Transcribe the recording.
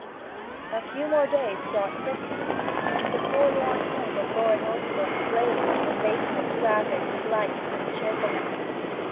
A few days more brought Christmas, and the forlorn home of Laura Northbrook blazed from basement to attic with light and cheerfulness.